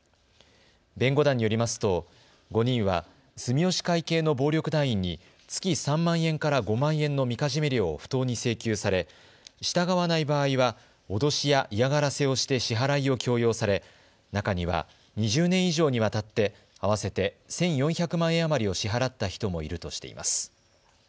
弁護団によりますと５人は住吉会系の暴力団員に月３万円から５万円のみかじめ料を不当に請求され従わない場合は脅しや嫌がらせをして支払いを強要され、中には２０年以上にわたって合わせて１４００万円余りを支払った人もいるとしています。